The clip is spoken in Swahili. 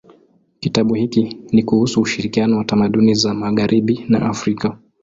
Kitabu hiki ni kuhusu ushirikiano wa tamaduni za magharibi na Afrika.